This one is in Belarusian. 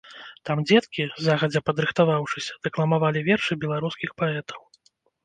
Там дзеткі, загадзя падрыхтаваўшыся, дэкламавалі вершы беларускіх паэтаў.